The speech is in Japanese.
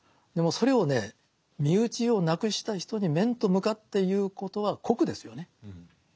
でもそれをね身内を亡くした人に面と向かって言うことは酷ですよね。